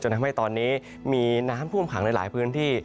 ทำให้ตอนนี้มีน้ำท่วมขังในหลายพื้นที่